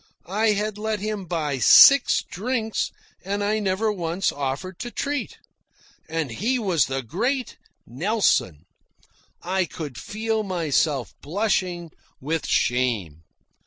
I HAD LET HIM BUY SIX DRINKS AND NEVER ONCE OFFERED TO TREAT. And he was the great Nelson! I could feel myself blushing with shame.